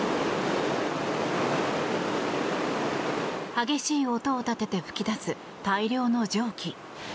激しい音を立てて噴き出す大量の蒸気。